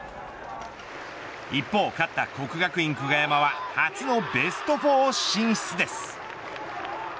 一方、勝った國學院久我山は初のベスト４進出です。